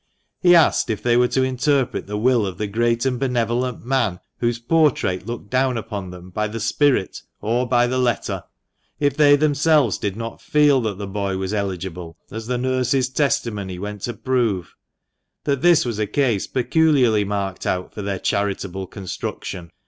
He asked if they were to interpret the will of the great and benevolent man, whose portrait looked down upon them, by the spirit or by the letter? If they themselves did not feel that the boy was eligible, as the nurse's testimony went to prove ? That this was a case peculiarly marked out for their charitable construction.